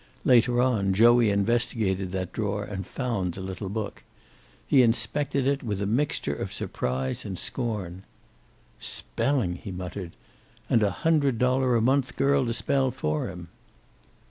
Later on, Joey investigated that drawer, and found the little book. He inspected it with a mixture of surprise and scorn. "Spelling!" he muttered. "And a hundred dollar a month girl to spell for him!"